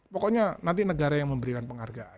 pokoknya nanti negara yang memberikan penghargaan